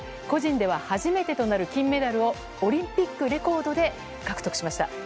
個人では初めてとなる金メダルをオリンピックレコードで獲得しました。